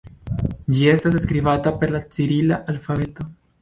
Ĝi estas skribata per la cirila alfabeto.